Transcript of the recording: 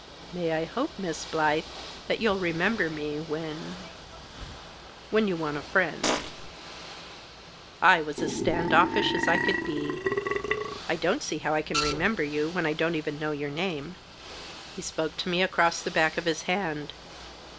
" May I hope, Miss Blyth, that you'll remember me when — when you want a friend ?" I was as stand offish as I could be. " I don't see how I can remember you when I don't even know your name." He spoke to me across the back of his hand.